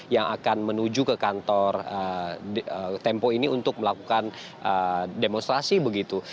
yang akan menuju ke kantor tempo ini untuk melakukan demonstrasi begitu